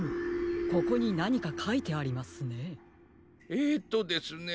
えっとですね